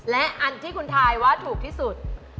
และอันที่คุณทายว่าถูกที่สุด